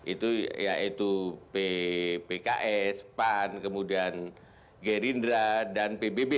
itu yaitu pks pan kemudian gerindra dan pbb